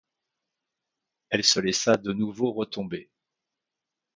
Elle se laissa de nouveau retomber.